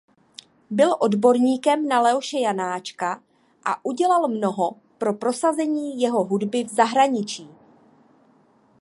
Byl odborníkem na Leoše Janáčka a udělal mnoho pro prosazení jeho hudby v zahraničí.